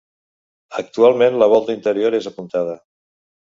Actualment la volta interior és apuntada.